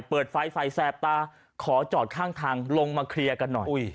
เปิดไฟไฟแสบตาขอจอดข้างทางลงมาเคลียร์กันหน่อย